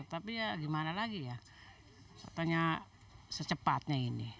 tapi ya gimana lagi ya katanya secepatnya ini